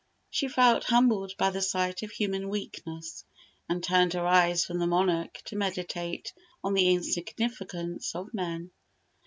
She felt humbled by the sight of human weakness, and turned her eyes from the monarch to meditate on the insignificance of men.